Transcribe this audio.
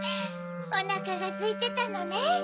おなかがすいてたのね。